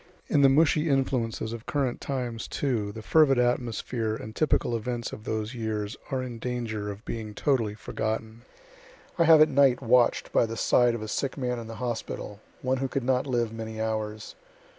In the mushy influences of current times, too, the fervid atmosphere and typical events of those years are in danger of being totally forgotten. I have at night watch'd by the side of a sick man in the hospital, one who could not live many hours.